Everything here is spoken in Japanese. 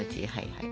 はい！